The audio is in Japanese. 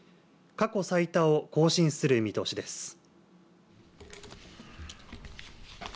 過去最多を更新する見通しです。